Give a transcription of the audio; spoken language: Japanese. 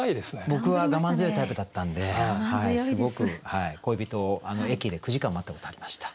僕は我慢強いタイプだったんですごく恋人を駅で９時間待ったことありました。